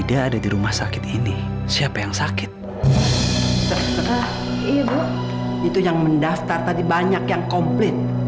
aida ada di rumah sakit ini siapa yang sakit itu yang mendastar tadi banyak yang komplit